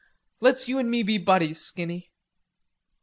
"Let's you and me be buddies, Skinny."